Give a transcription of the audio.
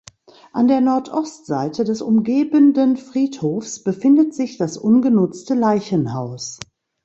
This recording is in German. An der Nordostseite des umgebenden Friedhofs befindet sich das ungenutzte Leichenhaus.